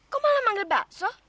kok malah manggil bakso